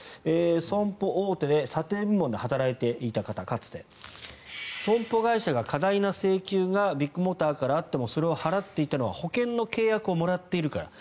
損保大手でかつて査定部門で働いていた方損保会社が過大な請求がビッグモーターからあってもそれを払っていたのは保険の契約をもらっているから。